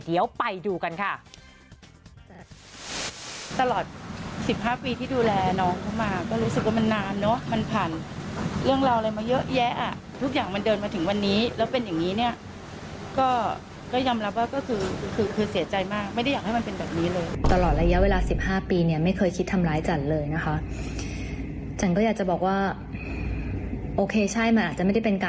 เดี๋ยวไปดูกันค่ะ